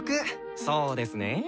そうですねえ。